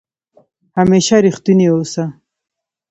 همېشه ریښتونی اوسه